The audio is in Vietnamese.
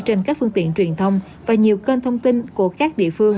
trên các phương tiện truyền thông và nhiều kênh thông tin của các địa phương